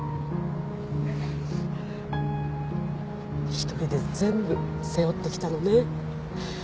⁉１人で全部背負ってきたのね